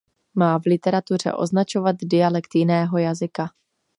Má v literatuře označovat dialekt jiného jazyka.